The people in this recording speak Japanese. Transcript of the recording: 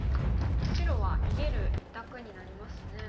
白は逃げる一択になりますね。